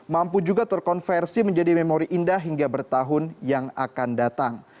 mampu juga terkonversi menjadi memori indah hingga bertahun yang akan datang